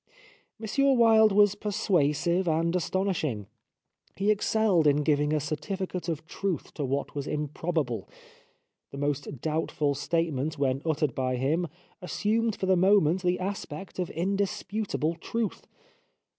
" M. Wilde was persuasive and astonishing. He excelled in giving a certificate of truth to what was improbable. The most doubtful statement when uttered by him assumed for the moment the aspect of indisputable truth.